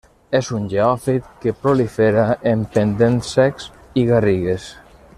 És un geòfit que prolifera en pendents secs i garrigues.